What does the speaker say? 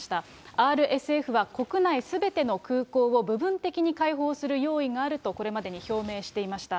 ＲＳＦは国内すべての空港を部分的に開放する用意があるとこれまでに表明していました。